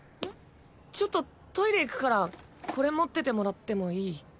ちょっとトイレ行くからこれ持っててもらってもいい？